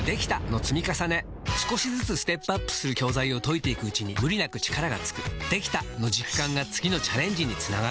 少しずつステップアップする教材を解いていくうちに無理なく力がつく「できた！」の実感が次のチャレンジにつながるよし！